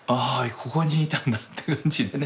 ここにいたんだって感じでね。